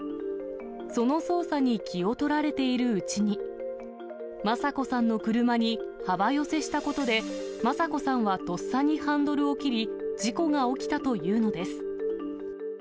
その操作に気を取られているうちに、昌子さんの車に幅寄せしたことで、昌子さんはとっさにハンドルを切り、事故が起きたというのです。